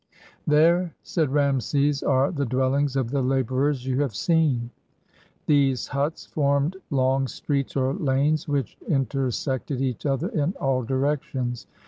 "There," said Rameses, "are the dwellings of the laborers you have seen." These huts formed long streets or lanes which inter sected each other in all directions.